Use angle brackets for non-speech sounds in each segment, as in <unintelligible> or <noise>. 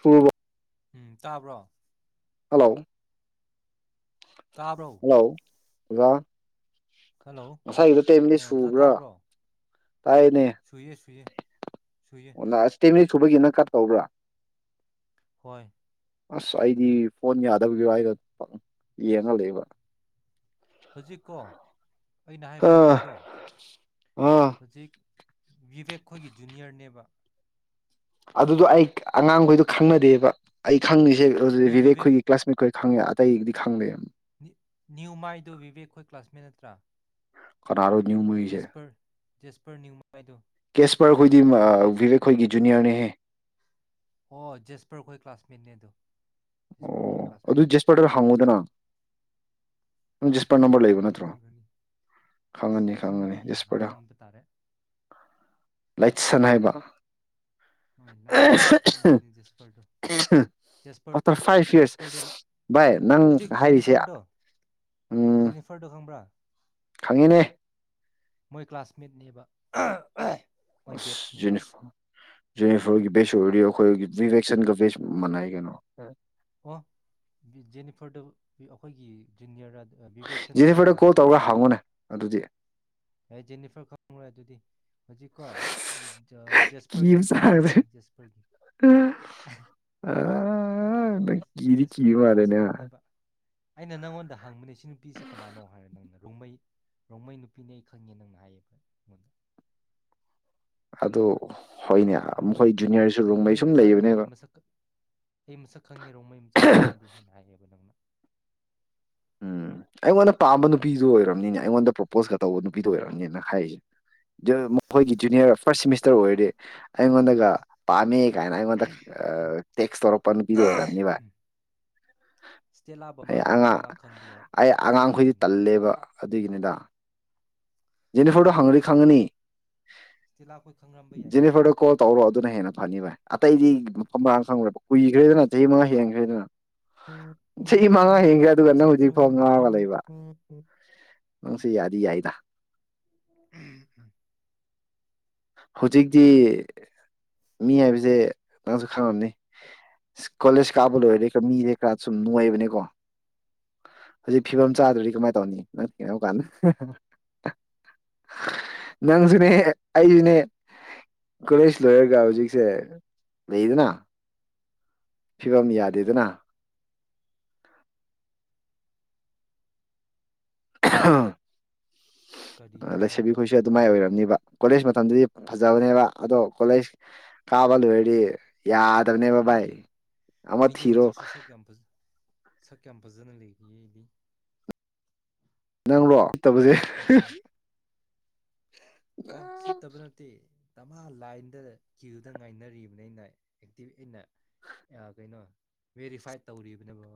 ꯄꯨꯕ꯫ ꯎꯝ ꯇ꯭ꯥꯕꯔꯣ꯫ ꯍꯂꯣ ꯇ꯭ꯥꯕꯔꯣ꯫ <inaudible> ꯉꯥꯁꯥꯏꯒꯤꯗꯣ ꯇꯥꯏꯝꯗꯤ ꯑꯣ ꯖ ꯁꯨꯕꯔꯥ꯫ ꯇꯥꯕ꯭ꯔꯣ ꯇꯥꯏꯅꯦ꯫ ꯁꯨꯏꯌꯦ ꯁꯨꯏꯌꯦ ꯁꯨꯏꯌꯦ ꯂꯥꯁ ꯇꯤꯃꯤꯁ꯫ ꯊꯨꯕꯒꯤ ꯑꯗꯃꯤꯠ ꯀ꯭ꯔꯥꯗ ꯀꯥꯎꯕ꯭ꯔꯥ? ꯍꯣꯏ꯫ ꯑꯁ ꯑꯩꯗꯤ ꯐꯣꯟ ꯌꯥꯗꯕꯒꯤꯔ ꯍꯥꯏꯒ ꯄꯛ ꯎꯝ ꯌꯦꯡꯉꯒ ꯂꯩꯕ꯫ ꯍꯨꯖꯤꯛꯀꯣ꯫ ꯑꯥ ꯑꯥ ꯚꯤꯚꯦꯛ ꯈꯣꯏꯒꯤ ꯖꯨꯅꯤꯌꯥꯔꯅꯦꯕ꯫ ꯑꯗꯨꯗꯣ ꯑꯩꯈ ꯑꯉꯥꯡꯒꯣꯏꯗꯣ ꯈꯪꯅꯗꯦꯕ ꯑꯩꯒ꯫ ꯈꯪꯉꯤꯁꯦ ꯍꯧꯖꯤꯛ ꯑꯗꯣ ꯚꯤꯚꯦꯛ ꯚꯤꯕꯦꯛ ꯍꯣꯏꯒꯤ ꯀ꯭ꯂꯥꯁꯃꯦꯠ ꯈꯣꯏ ꯈꯪꯗꯦ ꯑꯇꯩꯗꯨꯗꯤ ꯈꯪꯗꯦ ꯎꯝ꯫ ꯅꯤꯌꯨꯃꯥꯏꯗꯨ ꯚꯤꯚꯦꯛꯈꯣꯏ ꯀꯂ꯭ꯥꯁꯃꯦꯠ ꯅꯠꯇꯔꯥ꯫ ꯑꯥꯔꯨꯅꯌꯨꯃꯨꯏꯖꯦ ꯏꯁꯄꯔ <unintelligible> ꯖꯦꯁꯄꯔꯍꯣꯏꯗꯤ ꯃꯥ ꯚꯤꯚꯦꯛꯈꯣꯏꯒꯤ ꯖꯨꯅꯤꯌꯥꯔꯅꯦꯍꯦ꯫ ꯃꯤꯅꯦꯗꯨ ꯑꯣ ꯑꯗꯨꯗꯤ ꯖꯦꯁꯄꯔ ꯗꯔꯥ ꯍꯪꯉꯣꯗꯅ꯫ ꯖꯦꯁꯄꯔ ꯖꯦꯁꯄꯔꯕꯨ ꯅꯝꯕꯔ ꯂꯩꯕ ꯍꯪꯉꯗꯤ ꯅꯠꯇꯔꯣ꯫ ꯈꯪꯈ꯭ꯔꯅꯤ ꯑꯁ ꯈꯪꯉꯅꯤ ꯈꯪꯉꯅꯤ ꯂꯥꯏꯁꯟꯗꯒꯤ ꯖꯦꯁꯄꯔꯗ ꯍꯪꯍꯟꯕ ꯇꯥꯔꯦ ꯂꯥꯏꯠꯁꯟ ꯍꯥꯏꯕ꯫ ꯑꯥ ꯂꯥꯁꯦꯟꯈꯣꯏ ꯈꯪꯅꯕꯅꯤ ꯖꯦꯁꯄꯔꯗꯣ꯫ ꯖꯦꯁꯄ ꯑꯥꯐꯇꯔ ꯐꯥꯏꯐ ꯌꯤꯑꯥꯔꯁ ꯚꯥꯏ ꯅꯪ ꯅ ꯍꯧꯖꯤꯛ ꯍꯥꯏꯔꯤꯁꯦ ꯖꯦꯅꯤꯐꯔꯗꯣ ꯎꯝ ꯖꯦꯅꯤꯐꯔꯗꯣ ꯈꯪ ꯈꯪꯕꯔꯥ ꯈꯪꯉꯤꯅꯦ ꯃꯣꯏ ꯀꯂ꯭ꯥꯁ ꯃꯦꯠ ꯅꯦꯕ ꯑꯥ ꯑꯥ ꯑꯁ ꯖꯦꯅꯤꯐꯔ ꯖꯦꯅꯤꯐꯔ ꯍꯣꯏꯒꯤ ꯕꯦꯠꯁ ꯔꯤꯑꯣꯈꯣꯏꯍꯣꯏꯒꯤ ꯚꯤꯚꯦꯛꯁꯟꯒ ꯕꯦꯠꯁ ꯃꯥꯟꯅꯩ ꯀꯩꯅꯣ ꯑꯥ꯫ ꯑꯣ ꯖꯦꯅꯤꯐꯔꯗꯣ ꯑꯩꯈꯣꯏꯒꯤ ꯖꯨꯅꯤꯑꯣꯔꯔꯥ ꯚꯤꯕꯦꯛꯁꯟ ꯍꯣꯏꯒꯤ ꯖꯦꯅꯤꯐꯔꯗ ꯀꯣꯜ ꯇꯧꯔꯒ ꯍꯪꯉꯨꯅꯦ ꯑꯗꯨꯗꯤ ꯀꯂꯥꯁꯃꯦꯠꯂꯥ ꯖꯦꯅꯤꯐꯔ ꯈꯪꯕ꯭ꯔꯥ ꯑꯗꯨꯗꯤ ꯍꯧꯖꯤꯛꯀꯣ ꯀꯤꯕ ꯖꯦꯁꯐꯔꯒꯤ ꯆꯥꯡꯁꯦ ꯀꯂꯥꯁꯃꯦꯠꯅꯦ ꯖꯦꯁꯐꯔꯒꯤ ꯑꯥ ꯅꯪ ꯀꯤꯗꯤ ꯖꯦꯁꯐꯔꯒꯤ ꯀꯤꯕ ꯃꯥꯜꯂꯦꯅꯦ ꯀꯂꯥ꯭ꯁꯃꯦꯠꯅꯦꯕ ꯑꯩꯅ ꯅꯉꯣꯟꯗ ꯍꯪꯕꯅꯦ ꯅꯨꯄꯤꯁꯤ ꯀꯅꯥꯅꯣ ꯍꯥꯏꯔ ꯅꯪꯅ ꯔꯣꯡꯃꯩ ꯔꯣꯡꯃꯩ ꯅꯨꯄꯤꯅꯦ ꯈꯪꯉꯤꯅꯦ ꯅꯪꯅ ꯍꯥꯏꯗꯣ ꯑꯗꯣ ꯍꯣꯏꯅꯦ ꯔꯣꯡꯃꯩ ꯃꯈꯣꯏ ꯖꯨꯅꯤꯌꯔꯁꯨ ꯔꯨꯝꯃꯩ ꯔꯣꯡꯃꯩ ꯁꯨꯝ ꯃꯆꯥꯅꯦ ꯑꯩ ꯂꯩꯕꯅꯦꯕ ꯃꯁꯛ ꯑꯩ ꯃꯁꯛ ꯈꯪ ꯉꯦ ꯔꯣꯡꯃꯩ ꯃꯆꯥꯅꯦ ꯃꯥꯗꯤ ꯎꯝ ꯑꯩꯉꯣꯟꯗꯥ ꯄꯥꯝꯕꯥ ꯅꯨꯄꯤꯗꯨ ꯑꯣꯏꯔꯝꯅꯤ ꯑꯩꯉꯣꯟꯗꯥ ꯄꯔꯣꯄꯣꯁ ꯀꯥ ꯇꯧꯕꯥ ꯅꯨꯄꯤꯗꯤ ꯑꯣꯏꯔꯝꯃꯤ ꯃꯈꯣꯏꯒꯦ ꯖꯨꯅꯤꯑꯣꯔ ꯐꯥꯁ ꯁꯦꯃꯦꯁꯇꯤ ꯑꯣꯏꯔꯗꯤ ꯒꯥꯏꯅꯥ ꯑꯩꯉꯣꯟꯗꯥ ꯇꯦꯛꯁ ꯇꯧꯔꯛꯄꯥ ꯅꯨꯄꯤꯗꯤ ꯑꯣꯏꯔꯝꯅꯤꯕꯥ ꯁꯇꯦꯜꯂꯥ ꯄꯥꯝꯕꯔꯥ ꯍꯪ ꯉꯣꯅꯦ ꯃꯥ ꯈꯪꯕ ꯌꯥꯏ ꯑꯩ ꯈꯪꯕ ꯑꯉꯥꯡ ꯑꯣꯏꯔꯗꯤ ꯌꯥꯏꯅꯦ ꯇꯟꯂꯦꯕꯥ ꯑꯗꯨꯏꯅꯤꯗ ꯖꯦꯅꯤꯐꯔꯗ ꯏꯁꯇꯦꯂꯥ ꯍꯪꯂꯗꯤ ꯑꯩꯈꯣꯏ ꯈꯡ ꯈꯪꯔꯝ ꯒꯅꯤ ꯏꯁꯇꯦꯂꯥ ꯑꯩꯈꯣꯏ ꯈꯪꯔꯝꯕ ꯌꯥꯏꯌꯦ ꯖꯦꯅꯤꯐꯔꯗ ꯀꯣꯜ ꯇꯧꯔꯣ ꯑꯗꯨꯅ ꯍꯦꯟꯅꯥ ꯐꯅꯤ ꯚꯥꯏ ꯑꯇꯩꯗꯤ ꯃꯐꯝ ꯃꯔꯥꯡ ꯈꯪꯂꯥꯔꯣꯏꯕ ꯀꯨꯏꯒꯔꯦꯗꯅ ꯆꯍꯤ ꯃꯉꯥ ꯍꯦꯟꯒꯔꯦꯗꯅ ꯆꯍꯤ ꯃꯉꯥ ꯍꯦꯟꯒꯔꯦ ꯑꯩ ꯑꯗꯨꯒꯥ ꯅꯡꯁꯨ ꯖꯤꯅꯤꯐꯔ ꯍꯧꯖꯤꯛꯐꯥꯎꯕ ꯈꯪꯗꯦꯗ ꯉꯥꯑꯣꯔꯒ ꯂꯩꯔꯤꯕꯥ ꯅꯡꯁꯨ ꯌꯥꯗꯤ ꯌꯥꯏꯗ <inaudible> ꯍꯧꯖꯤꯛꯇꯤ ꯃꯤ ꯍꯥꯏꯕꯁꯦ ꯅꯪꯁꯨ ꯈꯪꯂꯝꯅꯤ ꯀꯣꯂꯦꯖ ꯀꯥꯕ ꯂꯣꯏꯔꯗꯤ ꯃꯤ ꯅꯦ ꯀꯥꯏꯅ ꯁꯨꯝ ꯅꯣꯏꯕꯅꯦ ꯀꯣ ꯍꯧꯖꯤꯛ ꯐꯤꯕꯝ ꯆꯥꯗ꯭ꯔꯗꯤ ꯀꯃꯥꯏ ꯇꯧꯅꯤ ꯅꯪꯖꯨꯅꯦ ꯑꯩꯖꯨꯅꯦ ꯀꯣꯂꯦꯖ ꯂꯣꯏꯔꯒ ꯍꯧꯖꯤꯛꯁꯦ ꯂꯩꯗꯅꯥ ꯐꯤꯕꯝ ꯌꯥꯗꯦꯗꯅꯥ <inaudible> ꯀꯔꯤꯅꯣ ꯂꯩꯁꯥꯕꯤ ꯅꯪꯅ ꯈꯣꯏꯁꯦ ꯍꯥꯏꯕ ꯑꯗꯨꯃꯥꯏꯅ ꯋꯥꯁꯤꯕꯨ ꯑꯣꯏꯔꯝꯅꯤꯕꯥ ꯀꯣꯂꯦꯖ ꯃꯇꯝꯗꯗꯤ ꯐꯖꯕꯅꯦꯕ ꯑꯗꯣ ꯀꯣꯂꯦꯖ ꯀꯥꯕ ꯂꯣꯏꯔꯗꯤ ꯎꯝ ꯌꯥꯗꯕꯅꯦꯕ ꯚꯥꯏ ꯑꯩꯗꯤ ꯑꯃ ꯑꯩꯗꯤ ꯊꯤꯔꯣ ꯍꯧꯖꯤꯛꯁꯨ ꯁꯛ ꯌꯥꯝ ꯐꯖ ꯁꯛ ꯌꯥꯝ ꯐꯖꯅ ꯂꯩꯔꯤꯌꯦ ꯑꯩꯗꯤ ꯅꯪꯔꯣ ꯐꯠꯇꯕꯁꯦ ꯍꯣꯏ ꯑꯣ ꯁꯤꯠꯇꯕ ꯅꯠꯇꯦ ꯃꯥ ꯂꯥꯏꯟꯗ ꯀ꯭ꯌꯨꯗ ꯉꯥꯏꯅꯔꯤꯕꯅꯦ ꯑꯩꯅ ꯏꯟꯅ ꯑꯩꯅ ꯚꯦꯔꯤꯐꯥꯏꯠ ꯇꯧꯔꯤꯕꯅꯦꯕꯥ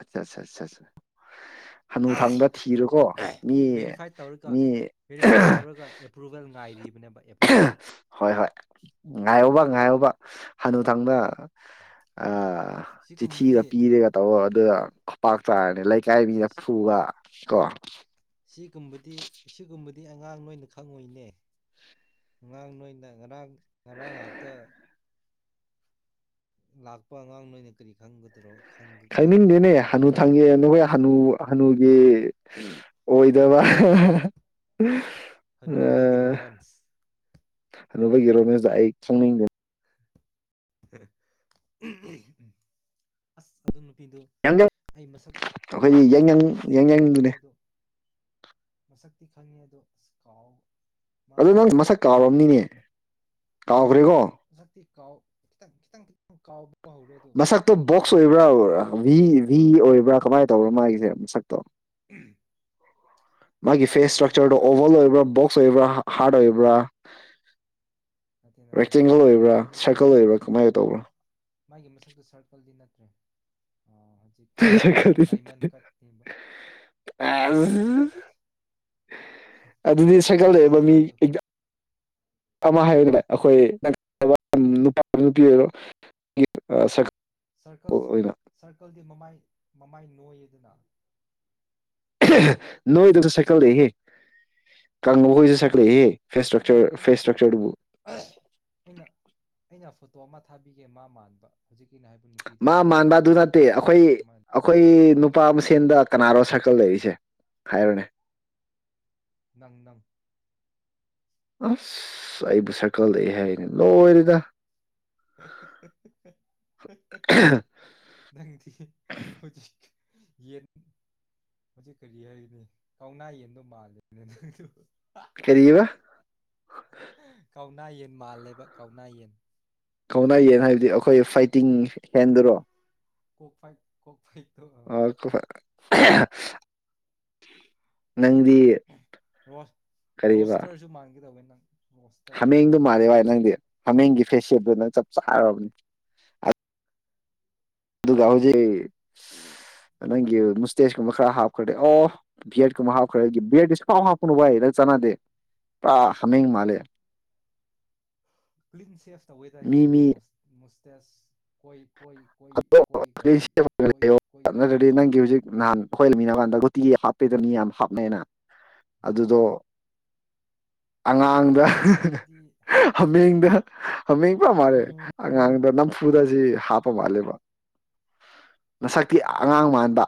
ꯑꯁꯥ ꯑꯁꯥ ꯑꯁꯥ ꯁꯥ ꯍꯅꯨꯊꯪꯗ ꯊꯤꯔꯣꯀꯣ ꯃꯤ ꯚꯦꯔꯤꯐꯥꯏ ꯇꯧꯔꯒ ꯃꯤ ꯚꯦꯔꯤꯐꯥꯏ ꯇꯧꯔꯒ ꯑꯦꯄ꯭ꯔꯨꯚꯦꯜ ꯉꯥꯏꯔꯤꯕꯅꯦꯕ ꯑꯦꯄ꯭ꯔꯨꯚꯦꯜ ꯍꯣꯏ ꯍꯣꯏ ꯉꯥꯏꯌꯣꯕ ꯉꯥꯏꯌꯣꯕ ꯍꯅꯨꯊꯪꯗ ꯑ ꯑ ꯆꯤꯊꯤꯒ ꯁꯤꯒꯨꯝꯕꯗꯤ ꯄꯤꯔꯒ ꯇꯧꯔꯣ ꯑꯗꯨꯒ ꯈꯨꯄꯥꯛ ꯆꯥꯔꯗꯤ ꯂꯩ ꯐꯨꯕ ꯀꫭ ꯁꯤꯒꯨꯝꯕꯗꯤ ꯁꯤꯒꯨꯝꯕꯗꯤ ꯑꯉꯥꯡ ꯅꯣꯏꯅ ꯈꯪꯉꯣꯏꯅꯦ ꯑꯉꯥꯡ ꯅꯣꯏꯅ ꯉꯔꯥꯡ <unintelligible> ꯂꯥꯛꯄ ꯑꯉꯥꯡ ꯅꯣꯏꯅ ꯀꯔꯤ ꯈꯪꯒꯗꯔꯣ ꯈꯪꯅꯤꯡꯗꯦꯅꯦ ꯍꯥꯅꯨꯊꯪꯖꯤꯗ ꯅꯣꯏ ꯍꯥꯅꯨ ꯍꯅꯨ <unintelligible> ꯑꯣꯏꯗꯕ ꯑ ꯍꯥꯅꯨꯕꯒꯤ ꯔꯣꯃꯥꯟꯁ <unintelligible> <unintelligible> <unintelligible> ꯑꯗꯨ ꯌꯥꯡꯌꯪ ꯑꯩ ꯃꯁꯛ ꯑꯩꯈꯣꯏꯗꯤ ꯌꯥꯡꯌꯪ ꯑꯩ ꯃꯁꯛꯇꯤ ꯈꯪꯕꯅꯤ ꯌꯥꯡꯌꯪꯗꯨꯅꯦ ꯑꯗꯣ ꯃꯁꯛꯇꯤ ꯈꯪꯉꯦ ꯑꯗꯣ ꯀꯥꯎ ꯑꯗꯣ ꯃꯥꯗꯣ ꯅꯪ ꯃꯁꯛ ꯀꯥꯎꯔꯝꯅꯤꯅꯦ <unintelligible> <unintelligible> ꯃꯁꯛꯇꯤ ꯀꯥꯎ ꯈꯤꯇꯪ ꯈꯤꯇꯪ ꯀꯥꯎ ꯃꯁꯛꯇꯣ ꯕꯣꯛꯁ ꯑꯣꯏꯕꯔꯥ ꯀꯥꯎꯗ꯭ꯔꯤꯗ ꯕꯤ ꯕꯤ ꯑꯣꯏꯕꯔ꯭ ꯀꯃꯥꯏ <unintelligible> <unintelligible> ꯃꯁꯛꯇꯣ <unintelligible> ꯑꯩꯅ ꯃꯥꯒꯤ ꯐꯦꯁ ꯐꯣꯇꯣ ꯑꯃ ꯏꯁꯇ꯭ꯔꯛꯆꯔꯗꯣ ꯊꯥꯔꯛꯀꯦ ꯑꯣꯕꯦꯜ ꯑꯣꯏꯕꯔ ꯕꯣꯛꯁ ꯑꯣꯏꯕꯔꯥ ꯍꯥꯔꯗ ꯑꯣꯏꯕꯔꯥ <unintelligible> <unintelligible> ꯔꯦꯛꯇꯦꯡꯒꯜ ꯑꯣꯏꯕ꯭ꯔꯥ ꯁꯔꯀꯜ ꯑꯣꯏꯕ꯭ꯔꯥ ꯀꯃꯥꯏꯅ ꯇꯧꯕ꯭ꯔꯥ ꯃꯥꯒꯤ ꯃꯁꯥꯛꯇꯣ ꯁꯔꯀꯜꯗꯤ ꯅꯠ <unintelligible> ꯗꯥꯏꯃꯟ ꯀꯠꯅꯦꯕ <unintelligible> ꯗꯥꯏꯃꯟ ꯀꯠ <unintelligible> <inaudible> ꯐꯦꯁ ꯁꯦꯞꯇꯨ <inaudible> ꯑꯃ ꯍꯥꯏꯌꯨꯅꯦ <unintelligible> <inaudible> ꯁꯔꯀꯜ ꯁꯔꯀꯜꯗꯤ ꯃꯃꯥꯏ ꯃꯃꯥꯏ <unintelligible> <unintelligible> <unintelligible> <inaudible> <inaudible> ꯑꯩꯅ ꯐꯦꯁ ꯑꯩꯅꯀꯣ ꯏꯁꯇ꯭ꯔꯛꯆꯔꯗꯨꯕꯨ <unintelligible> ꯑꯩꯅ ꯑꯩꯅ ꯐꯣꯇꯣ ꯑꯃ ꯊꯥꯕꯤꯒꯦ ꯃꯥ ꯃꯥꯟꯕ ꯍꯧꯖꯤꯛ ꯑꯩꯅ ꯍꯥꯏꯕ ꯅꯨꯄꯤꯗꯣ ꯃꯥ ꯃꯥꯟꯕ ꯑꯗꯨ ꯐꯣꯇꯣ ꯅꯠꯇꯦ ꯃꯁꯛ ꯑꯈꯣꯏ ꯑꯃ ꯂꯩ ꯑꯈꯣꯏ ꯅꯨꯄꯥ ꯃꯁꯦꯟꯗ ꯀꯅꯥꯔꯣ <unintelligible> ꯍꯥꯏꯔꯣꯅꯦ ꯅꯪ ꯅꯪ ꯑꯁ ꯑꯩꯕꯨ <unintelligible> ꯂꯣꯏꯔꯦꯗ <unintelligible> <unintelligible> ꯅꯪꯗꯤ <unintelligible> ꯌꯦꯟ ꯍꯧꯖꯤꯛ ꯀꯔꯤ ꯍꯥꯏꯒꯅꯤ ꯀꯥꯎꯅꯥ ꯌꯦꯟꯗꯨ ꯃꯥꯜꯂꯤꯅꯦ ꯅꯪꯗꯨ ꯀꯔꯤꯕꯥ꯫ ꯀꯧꯅꯥ ꯌꯦꯟ ꯃꯥꯜꯂꯦꯕ ꯀꯧꯅ ꯌꯦꯟ꯫ ꯀꯧꯅ ꯌꯦꯟ ꯍꯥꯏꯕꯗꯤ ꯑꯈꫭꯏ ꯐꯥꯏꯇꯤꯡ ꯍꯦꯟ ꯗꯨꯔꫭ꯫ ꯀꫭꯛ ꯐꯥꯏꯠ ꯀꫭꯛ ꯐꯥꯏꯠꯇꯨ ꯑꯥ ꯑꯍ ꯍ ꯔꫭꯁ ꯔꫭꯁꯇꯔꯁꯨ ꯃꯥꯟꯒꯦ ꯇꯧꯋꯦ ꯅꯪ꯫ ꯔꯣꯁꯇꯔ ꯍꯃꯦꯡꯗꫭ ꯃꯥꯜꯂꯦ ꯕꯥꯏ ꯅꯪꯗꯤ꯫ ꯍꯃꯦꯡꯒꯤ ꯐꯦꯁ ꯁꯦꯞꯗꫭ ꯅꯪ ꯆꯞ ꯆꯥꯔꯕꯅꯤ ꯑ ꯑꯗꯨꯒ ꯍꯧꯖꯤꯛ ꯅꯪꯒꯤ ꯃꯁꯨꯇꯦꯆꯀꯨꯝꯕ ꯈꯔ ꯍꯥꯞꯈ꯭ꯔꯗꯤ ꯑꫭ ꯕꯤꯑꯦꯔꯗ ꯀꯨꯝꯕ ꯍꯥꯞꯈ꯭ꯔꯒꯤ ꯕꯤꯑꯦꯔꯗꯗꯤ ꯁꯨꯡꯍꯥꯞ ꯍꯥꯞꯎꯅꯨ ꯕꯥꯏ ꯅꯪ ꯆꯥꯅꯗꯦ ꯄꯨꯔꯥ ꯍꯃꯦꯡ ꯃꯥꯜꯂꯦ꯫ ꯀ꯭ꯂꯤꯟ ꯁꯦꯐ ꯇꯧꯏꯗ ꯑꯩꯗꯤ ꯃꯤ ꯃꯤ ꯃꯨꯁ ꯃꯨꯁ ꯇꯦꯆ ꯋꫭꯏ ꯀꯣꯏ ꯀꯣꯏ <inaudible> ꯅꯠꯇ꯭ꯔꯗꯤ ꯊꯝꯗꯦꯗ ꯅꯪꯒꯤ ꯍꯨꯖꯤꯛ ꯅꯥꯟ ꯈꫭꯏ꯫ <inaudible> ꯇꯤ ꯍꯥꯞꯄꯤꯗ ꯃꯤ ꯌꯥꯝ ꯍꯥꯞꯅꯩꯅ ꯑꯗꯨꯗꫭ ꯑꯉꯥꯡ ꯗꯥ ꯍꯍꯍ ꯑꯩꯈꯣꯏꯗꯤ ꯍꯃꯦꯡꯗ ꯍꯃꯦꯡꯄ ꯑꯩꯈꯣꯏ ꯃꯥꯜꯂꯦ ꯑꯉꯥꯡꯗ ꯅꯝꯐꯨꯗ ꯖꯤ ꯍꯥꯞ ꯄ ꯃꯥꯜꯂꯦꯕ ꯅꯁꯛ ꯇꯤ ꯑꯉꯥꯡ ꯃꯥꯟꯕ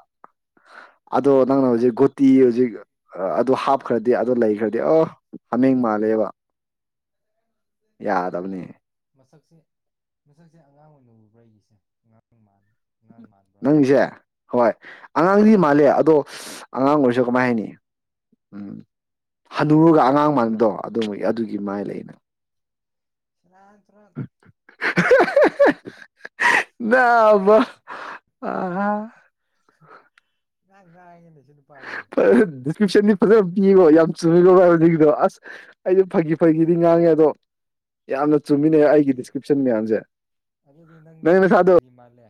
ꯑꯗꫭ ꯅꯪꯅ ꯍꯧꯖꯤꯛ ꯒꫭꯠꯇꯤ ꯍꯩꯖꯤꯛ ꯑꯥ ꯑꯗꫭ ꯍꯥꯞꯈ꯭ꯔꯗꯤ ꯑꯗꫭ ꯂꯩꯈ꯭ꯔꯗꯤ ꯑꫭ ꯍꯃꯦꯡ ꯃꯥꯜꯂꯦꯕ ꯑꯣꯀꯦ ꯌꯥꯗꯕꯅꯦ꯫ ꯃꯁꯛꯁꯦ ꯃꯁꯛꯁꯦ ꯑꯉꯥꯡ ꯑꫭꯏꯅ ꯎꯕ꯭ꯔ ꯑꯩꯒꯤꯁꯦ ꯑꯉꯥꯡ ꯃꯥꯟ ꯑꯉꯥꯡ ꯃꯥꯟꯕ꯭ꯔꯕ ꯅꯪꯁꯦ ꯍꫭꯏ ꯑꯉꯥꯡꯗꯤ ꯍꯣꯏ ꯃꯥꯜꯂꯦ ꯑꯗꫭꯑꯉꯥꯡ ꯑꫭꯏꯔꯁꯨ ꯀꯃꯥꯏ ꯍꯥꯏꯅꯤ ꯝ ꯍꯅꯨꯔꯒ ꯑꯉꯥꯡ ꯃꯥꯟꯕꯗꫭ ꯑꯗꯨꯃ ꯑꯗꯨꯒꯤ ꯃꯥꯏ ꯂꯩꯅ꯫ ꯔꯥꯟ ꯇꯨꯔꯥꯟ <unintelligible> ꯅꯥꯥꯕ ꯑꯍꯥ ꯅꯪ ꯉꯥꯡꯏꯅ ꯐꯥ ꯗꯤꯁꯀꯤꯞꯁꯟꯗꯤ ꯐꯖꯅ ꯄꯤꯑꯦꯀꫭ ꯌꯥꯝ ꯆꯨꯝꯑꯦꯀꫭ ꯕꯥꯏ ꯍꯧꯖꯤꯛꯀꯤꯗꫭ ꯑꯁ ꯑꯩꯗꯤ ꯐꯥꯒꯤ-ꯐꯥꯒꯤ ꯗꯤ ꯅꯪꯗꯤ ꯉꯥꯡꯑꯦ ꯑꯗꫭ ꯌꯥꯝꯅ ꯆꯨꯝꯏꯅꯦ ꯑꯩꯒꯤ ꯅꯪꯗꯤ ꯗꯤꯁꯀ꯭꯭ꯔꯤꯞꯁꯟ ꯃꯌꯥꯝꯁꯦ ꯑꯗꯨꯗꯤ ꯅꯪ ꯅꯪꯗꯤ ꯅꯁꯥꯗꫭ ꯀꯔꯤ ꯃꯥꯜꯂꯦ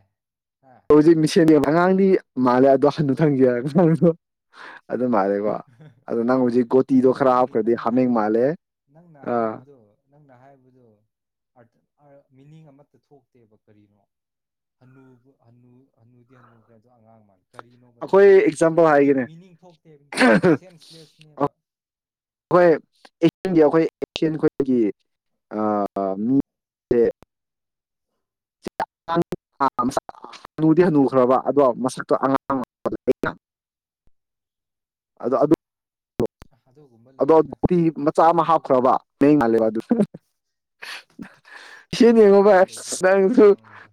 ꯍꯥ ꯍꯧꯖꯤꯛ ꯃꯤꯁꯦꯝꯏꯕ ꯑꯉꯥꯡꯗꯤ ꯃꯥꯜꯂꯦ ꯑꯗꫭ ꯍꯅꯨꯊꯪꯒꯤ ꯑꯍ ꯑꯍ ꯗꫭ ꯃꯥꯜꯂꯦꯕ ꯑꯗꫭ ꯅꯪ ꯍꯧꯖꯤꯛ ꯑꯗꯨ ꯒꫭꯇꯤꯗꫭꯈꯔ ꯅꯪꯅꯤ ꯍꯥꯞꯈ꯭ꯔꯗꯤ ꯅꯪꯅ ꯍꯃꯦꯡ ꯃꯥꯜꯂꯦ ꯑ꯫ ꯅꯥꯪꯟꯅ ꯍꯥꯌꯕꯗꯨ <unintelligible> ꯃꯦꯅꯤꯪ ꯑꯃꯇꯥ ꯊꯣꯛꯇꯦ ꯍꯥꯅꯨꯕ ꯍꯅꯨꯗꯤ ꯍꯥꯅꯨꯒ ꯑꯉꯥꯪ ꯃꯥꯂꯦ ꯀꯔꯤꯅꯣꯕ ꯑꯩꯈꯣꯏ <unintelligible> ꯑꯦꯛꯖꯥꯝꯄꯜ ꯍꯥꯏꯒꯦꯅꯦ ꯃꯤꯅꯤꯪ ꯊꯣꯛꯇꯦ ꯁꯦꯝ ꯁꯇꯒꯅꯦꯕ <unintelligible> <unintelligible> <unintelligible> <unintelligible> ꯑꯗꯨꯒꯨꯝꯕ ꯂꯩꯇꯦꯗ ꯑꯗꯨꯒꯨꯝꯕ ꯑꯗꯨꯒꯨꯝꯕ ꯂꯩꯇꯦꯗ ꯄꯨꯡꯉꯥꯡ ꯉꯥꯡꯉꯨꯅꯨꯗ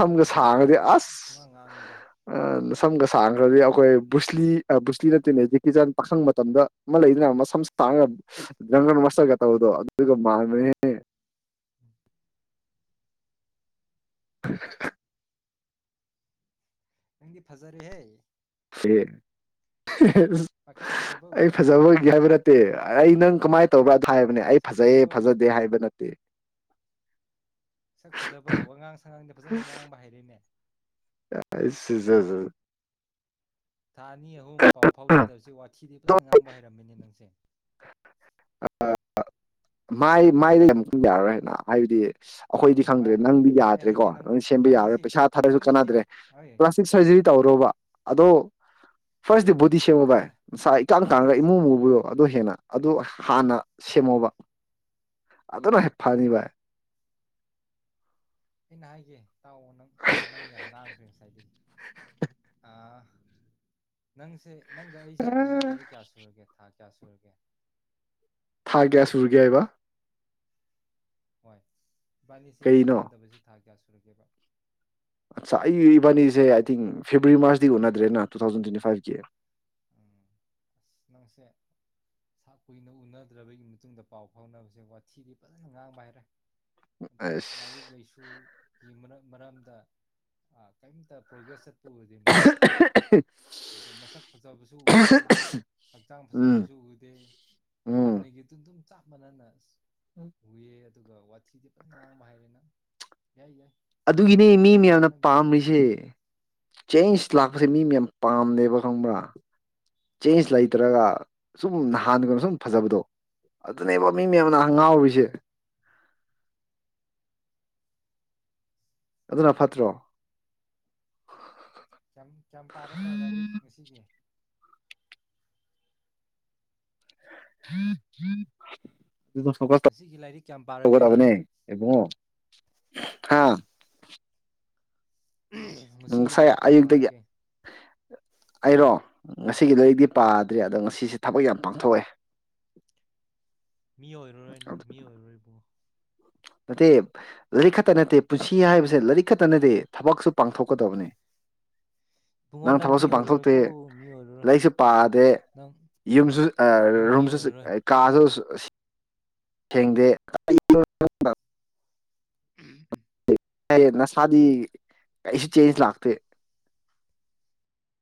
ꯑꯗꯨꯒꯨꯝꯕ ꯂꯩꯇꯦꯗ ꯅꯪ ꯄꯨꯡꯉꯥꯡ ꯉꯥꯡꯉꯤꯗ <unintelligible> ꯅꯥꯁꯝꯒ ꯁꯟꯒꯗꯤ <unintelligible> <unintelligible> ꯕꯨꯁꯂ꯭ꯤ ꯅꯨꯁꯂ꯭ꯤ ꯅꯥꯇꯦꯅꯦ ꯖꯦꯀꯤꯖꯟ ꯄꯈꯪ ꯃꯇꯝꯗ ꯑꯃ ꯂꯩꯗꯅꯥ ꯃꯁꯝ ꯁꯟꯒ ꯗꯔꯒꯨꯟ ꯃꯁꯇꯦꯔꯒ ꯇꯧꯕꯥꯗꯨ ꯑꯗꯨꯏꯗꯨ ꯃꯟꯕꯅꯦꯕ <unintelligible> ꯅꯥꯡꯗꯤ ꯐꯖꯔꯦꯍꯦ <unintelligible> <unintelligible> ꯄꯥꯈꯪ ꯐꯖꯕꯧ ꯑꯩ ꯐꯖꯕ ꯑꯣꯏꯒꯦ ꯍꯥꯌꯕ ꯃꯇꯦ ꯑꯩ ꯅꯡ ꯀꯥꯃꯩ ꯇꯧꯕꯔꯥ ꯍꯥꯏꯕꯅꯦ ꯑꯩ ꯁꯛ ꯐꯖꯩ ꯐꯖꯕꯧ ꯐꯖꯗꯦ ꯍꯥꯌꯕ ꯅꯥꯇꯦ ꯁꯛ ꯐꯖꯕꯧ ꯋꯥꯉꯪ ꯁꯟꯒꯪꯗꯤ ꯐꯖꯅ ꯉꯥꯡꯕ ꯍꯩꯔꯦꯅꯦ <unintelligible> ꯊꯥ ꯑꯅꯤ ꯑꯍꯨꯝ ꯄꯥꯎ ꯑꯗꯣ ꯒꯥꯑꯣꯅꯗꯕꯁꯦ ꯋꯥꯏ ꯁꯤꯗꯤ ꯐꯖꯅꯥ ꯉꯥꯡꯕ ꯍꯩꯔꯃꯦꯅꯦ ꯅꯥꯪꯁꯦ ꯃꯩ ꯃꯥꯏꯗ <unintelligible> ꯑꯈꯣꯏꯗꯤ ꯈꯪꯗꯔꯦ ꯚꯥꯏ ꯅꯪꯗꯤ ꯑꯩ ꯌꯥꯗꯔ꯭ꯦꯀꯣ ꯍꯥꯏꯒꯦ ꯅꯪꯕꯨ ꯅꯪꯗꯤ ꯁꯦꯝꯕ ꯌꯥꯔꯣꯏ ꯏꯕꯥꯅꯤꯁꯤ ꯄꯩꯁꯥ ꯊꯔꯁꯨ ꯏꯕꯥꯅꯤꯁꯤ ꯀꯅꯥꯗꯔ꯭ꯦ ꯍꯣꯏ ꯄꯂꯥꯁꯇꯤꯛ ꯁꯨꯔꯖꯔꯤ ꯇꯧ ꯔꯣ ꯑꯗꯣ ꯒꯤꯔꯁꯇ꯭ <unintelligible> ꯑꯩ <unintelligible> ꯄ꯭ꯂꯥꯁꯇꯤꯛ ꯑꯦꯃꯨ ꯃꯨꯕꯗꯨ ꯑꯗꯨ ꯍꯦꯅꯥ ꯑꯗꯨ ꯍꯥꯅꯥ ꯁꯦꯃꯣꯕ ꯑꯗꯨꯅ ꯍꯦꯛ ꯐꯥꯅꯤ ꯕꯥꯏ ꯑꯩꯟ ꯍꯥꯏꯁꯤ ꯇꯥꯏ ꯅꯡ ꯌꯥꯝ ꯉꯪꯔꯦ <unintelligible> ꯅꯡꯁꯦ ꯅꯡꯒꯥ ꯑꯩꯁꯦ ꯎꯅꯗꯕ ꯀꯌꯥ ꯁꯨꯔꯒꯦ ꯕꯥꯏ ꯀꯌꯥ ꯁꯨꯔꯒꯦ ꯊꯥ ꯀꯌꯥ ꯁꯨꯔꯥꯒꯦꯕ ꯍꯣꯌ ꯏꯕꯅꯤꯁꯤ ꯀꯩꯅꯣ ꯎꯟꯗꯕ ꯊꯥ ꯀꯌꯥ ꯁꯨ ꯉꯁꯥꯏ ꯑꯕꯅꯤꯁꯦ ꯏ ꯊꯤꯟꯛ <unintelligible> ꯗꯦꯕꯔ꯭ꯤ ꯃꯔꯁꯇꯤ ꯎꯅꯥꯗꯔ꯭ꯦꯗꯟ ꯇꯩ ꯊꯥꯑꯣꯁꯟꯗ <unintelligible> ꯅꯡꯁꯦ ꯀꯨꯏꯟ ꯎꯅꯥꯗꯔ꯭ꯕꯩ ꯇꯨꯡꯗ ꯄꯧ ꯗꯧꯅꯕꯥꯖꯦ ꯋ꯭ꯊꯤꯗꯤ ꯐꯖꯅ ꯉꯥꯡꯕ ꯍꯩꯔꯦ ꯑꯗꯨ ꯑꯁ ꯂꯥꯏꯔꯤꯛ ꯂꯥꯏꯁꯨꯒꯤ ꯝ ꯃꯔꯝꯗ ꯀꯩꯟꯠ ꯄꯔꯣꯒꯔ꯭ꯦꯁ ꯆꯠ <unintelligible> ꯃꯁꯛ ꯐꯖꯕꯁꯨ ꯎꯔꯦ ꯍꯛꯆꯥꯪ ꯎꯝ ꯐꯖꯕꯥꯁꯨ ꯎꯗꯦ ꯍꯥꯅꯒꯤꯗꯨ ꯆꯞ ꯃꯥꯟꯅꯅ ꯎꯝ ꯎꯏꯌꯦ ꯋꯥꯊꯤꯗꯤ ꯐꯖ ꯉꯥꯡꯕ ꯍꯩꯔꯦ ꯅꯪ ꯌꯥꯏ ꯌꯥꯏ ꯑꯗꯨꯒꯤꯅꯤ ꯃꯤ ꯃꯌꯥꯝꯅ ꯍꯣꯠꯅꯕꯤꯌꯨ ꯄꯥꯝꯃꯤꯁꯦ ꯍꯣꯠꯅꯕꯤꯌꯨ <unintelligible> <unintelligible> ꯃꯤ ꯃꯌꯥꯝ ꯄꯥꯝꯗꯦꯕ ꯈꯪꯕ꯭ꯔꯥ ꯆꯦꯁ ꯂꯩꯇ꯭ꯔꯒ ꯖꯨꯝ ꯅꯍꯥꯟꯒꯨꯝ ꯖꯨꯝ ꯐꯖꯕꯗꯣ ꯑꯗꯨꯅꯦꯕ ꯃꯤ ꯃꯌꯥꯝꯅ ꯉꯥꯎꯔꯤꯁꯦ ꯑꯗꯨꯅ ꯐꯠꯇ꯭ꯔꯣ <inaudible> <unintelligible> <unintelligible> ꯉꯁꯤꯒꯤ ꯂꯥꯏꯔꯤꯛ ꯀꯌꯥꯝ ꯇꯧꯒꯗꯕꯅꯦ ꯄꯥꯔꯒꯦ ꯏꯕꯨꯡꯉꯣ ꯍꯥ ꯉꯁꯤꯒꯤ ꯉꯁꯥꯏ ꯂꯥꯏꯔꯤꯛ ꯀꯌꯥꯝ ꯑꯌꯨꯛꯇꯒꯤ ꯄꯥꯔꯒꯦ ꯑꯩꯔꯣ ꯑꯁꯤꯒꯤꯗꯣ ꯑꯩꯗꯤ ꯄꯥꯗ꯭ꯔꯤ ꯑꯗ ꯉꯁꯤꯁꯦ ꯊꯕꯛ ꯌꯥꯝ ꯄꯥꯡꯊꯣꯛꯑꯦ ꯃꯤ ꯑꯣꯏꯔꯔꯣꯏ ꯅꯪ ꯃꯤ ꯑꯣꯐꯔꯔꯣꯏ ꯅꯠꯇꯦ ꯂꯩ ꯈꯠꯇ ꯅꯠꯇꯦ ꯄꯨꯟꯁꯤ ꯍꯥꯏꯕꯁꯦ ꯂꯔꯤꯛ ꯈꯠꯇ ꯅꯠꯇꯦ ꯊꯕꯛꯁꯨ ꯄꯥꯡꯊꯣꯛꯀꯗꯕꯅꯦ ꯏꯕꯨꯡꯉꯣ ꯅꯪ ꯃꯤ ꯊꯕꯛꯁꯨ ꯄꯥꯡꯊꯣꯛꯇꯦ ꯑꯣꯏꯔꯔꯣꯏꯀꯣ ꯃꯤ ꯑꯣꯏꯔꯔꯣꯏ ꯂꯩꯔꯤꯛꯁꯨ ꯄꯥꯗꯦ ꯅꯪ ꯌꯨꯝꯖꯨ ꯑ ꯅꯪ ꯃꯤ ꯔꯨꯝꯁꯨ ꯑꯣꯏꯔꯔꯣꯏ ꯑ ꯀꯥꯁꯨ <unintelligible> <unintelligible> <unintelligible> ꯅꯁꯥꯗꯤ <unintelligible> ꯆꯦꯟꯁ ꯂꯥꯛꯇꯦ